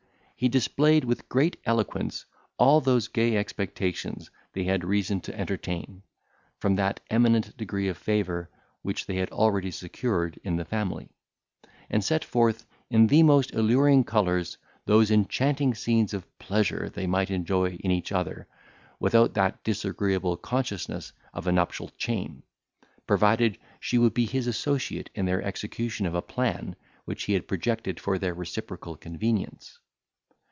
He displayed, with great eloquence, all those gay expectations they had reason to entertain, from that eminent degree of favour which they had already secured in the family; and set forth, in the most alluring colours, those enchanting scenes of pleasure they might enjoy in each other, without that disagreeable consciousness of a nuptial chain, provided she would be his associate in the execution of a plan which he had projected for their reciprocal convenience.